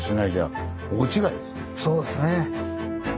そうですね。